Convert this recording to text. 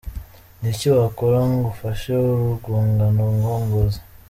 Ni iki wakora ngo ufashe urwungano ngogozi?.